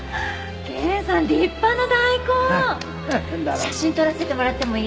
写真撮らせてもらってもいい？